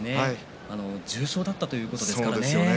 重傷だったということですからね。